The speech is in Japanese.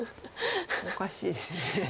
おかしいです。